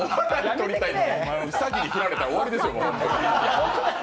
兎に振られたら終わりですよ。